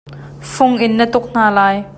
Fung in na tuk hna lai.